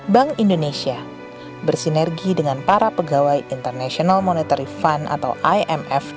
bank indonesia bersinergi dengan para pegawai international monetary fund atau imf